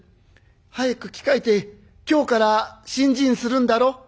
早く着替えて今日から信心するんだろ」。